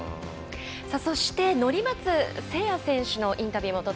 そして乗松聖矢選手のインタビューです。